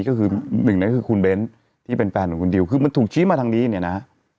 ก็คือหนึ่งนั้นคือคุณเบ้นที่เป็นแฟนของคุณดิวคือมันถูกชี้มาทางนี้เนี่ยนะ